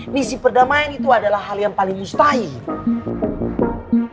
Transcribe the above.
misi perdamaian itu adalah hal yang paling mustahil